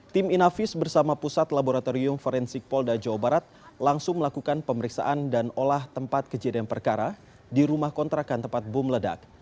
tim inavis bersama pusat laboratorium forensik polda jawa barat langsung melakukan pemeriksaan dan olah tempat kejadian perkara di rumah kontrakan tempat bom ledak